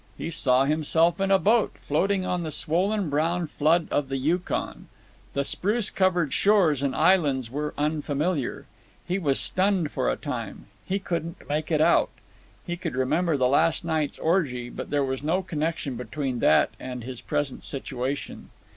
He saw himself in a boat, floating on the swollen brown flood of the Yukon. The spruce covered shores and islands were unfamiliar. He was stunned for a time. He couldn't make it out. He could remember the last night's orgy, but there was no connection between that and his present situation.